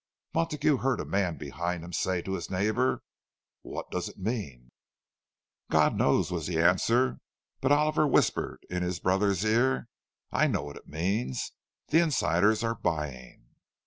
Montague heard a man behind him say to his neighbour, "What does it mean?" "God knows," was the answer; but Oliver whispered in his brother's ear, "I know what it means. The insiders are buying."